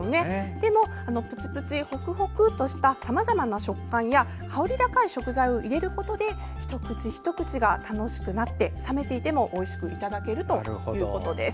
でも、プチプチ、ホクホクとしたさまざまな食感や香り高い食材を入れることで一口一口が楽しくなって冷めていてもおいしくいただけるということです。